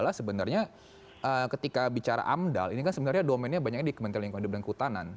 sebenarnya ketika bicara amdal ini kan sebenarnya domennya banyaknya di kementerian lingkungan hidup dan kehutanan